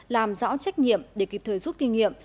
làm rõ trách nhiệm để kịp thời rút kinh nghiệm